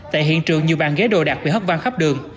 tại hiện trường nhiều bàn ghế đồ đặt bị hấp vang khắp đường